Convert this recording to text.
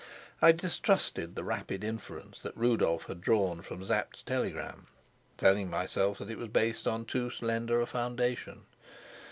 I distrusted the rapid inference that Rudolf had drawn from Sapt's telegram, telling myself that it was based on too slender a foundation.